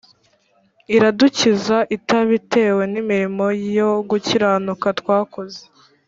Iradukiza, itabitewe n'imirimo yo gukiranuka twakoze,